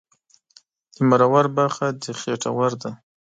د مرور برخه د خېټور ده